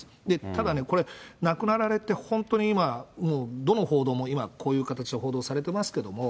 ただね、これ、亡くなられて本当に今、どの報道もこういう形で報道されてますけども、